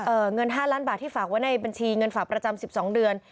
เอ่อเงิน๕ล้านบาทที่ฝากไว้ในบัญชีเงินฝากประจำ๑๒เดือน